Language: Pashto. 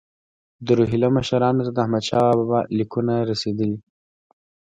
د روهیله مشرانو ته د احمدشاه لیکونه رسېدلي دي.